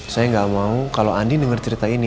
saya gak mau kalau andin dengar cerita ini